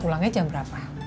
pulangnya jam berapa